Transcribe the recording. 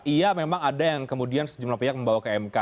iya memang ada yang kemudian sejumlah pihak membawa ke mk